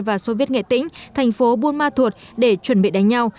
và số viết nghệ tĩnh thành phố buôn ma thuột để chuẩn bị đánh nhau